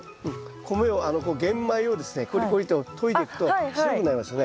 米を玄米をですねコリコリとといでいくと白くなりますよね。